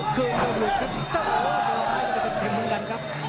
คลืมแล้วหลุดครับ